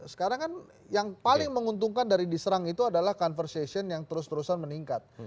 sekarang kan yang paling menguntungkan dari diserang itu adalah conversation yang terus terusan meningkat